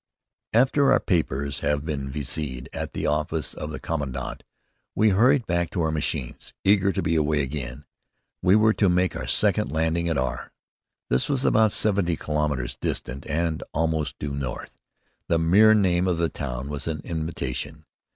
After our papers have been viséed at the office of the commandant, we hurried back to our machines, eager to be away again. We were to make our second landing at R . It was about seventy kilometres distant and almost due north. The mere name of the town was an invitation.